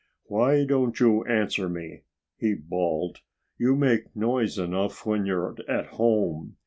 "Why don't you answer me?" he bawled. "You make noise enough when you're at home.